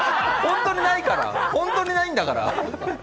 本当にないから。